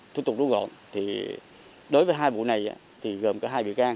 thủ tục rút gọn thì đối với hai vụ này thì gồm cả hai bị can